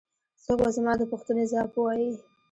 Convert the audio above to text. څوک به زما د پوښتنې ځواب ووايي.